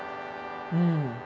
うん。